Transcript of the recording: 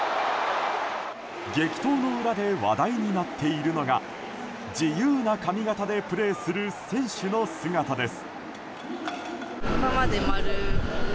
激闘の裏で話題になっているのが自由な髪形でプレーする選手の姿です。